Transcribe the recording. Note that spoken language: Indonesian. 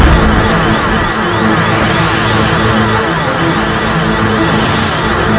aku akan mencari penyelesaianmu